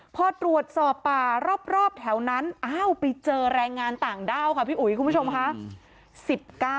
พอตรวจสอบป่ารอบแถวนั้นอ้าวไปเจอแรงงานต่างด้าวค่ะพี่อุ๋ยคุณผู้ชมค่ะ